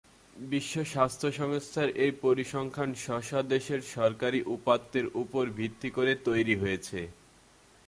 বিশ্ব স্বাস্থ্য সংস্থার এই পরিসংখ্যান স্ব-স্ব দেশের সরকারি উপাত্তের উপর ভিত্তি করে তৈরি হয়েছে।